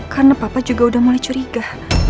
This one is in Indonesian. karena papa juga udah mulai curiga